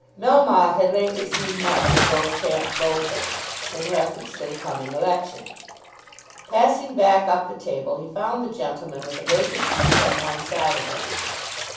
Melmotte had lately seen much of Beauchamp Beauclerk, in reference to the coming election. Passing back up the table, he found the gentleman with a vacant seat on one side of him.